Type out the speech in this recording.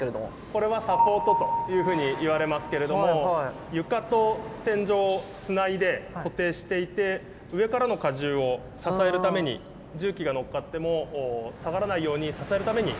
これはサポートというふうにいわれますけれども床と天井をつないで固定していて上からの荷重を支えるために重機が乗っかっても下がらないように支えるために。